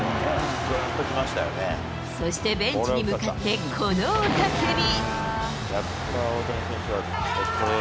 そして、ベンチに向かってこの雄たけび。